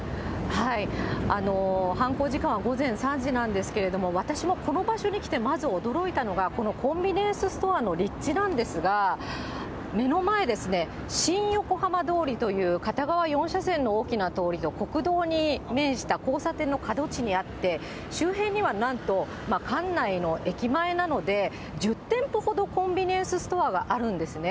犯行時間は午前３時なんですけれども、私もこの場所に来てまず驚いたのが、このコンビニエンスストアの立地なんですが、目の前ですね、新横浜通りという片側４車線の大きな通りと国道に面した交差点の角地にあって、周辺にはなんと、関内の駅前なので、１０店舗ほどコンビニエンスストアがあるんですね。